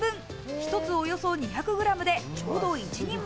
一つおよそ２００グラムでちょうど一人前。